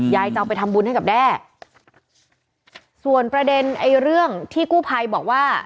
จะเอาไปทำบุญให้กับแด้ส่วนประเด็นไอ้เรื่องที่กู้ภัยบอกว่า